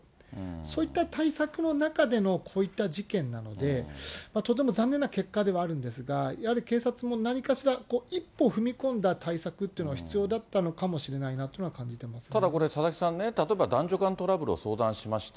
そういった対策の中でのこういった事件なので、とても残念な結果ではあるんですが、やはり警察も何かしら、一歩踏み込んだ対策というのが必要だったのかもしれないなというただこれ、佐々木さんね、例えば男女間トラブルを相談しました。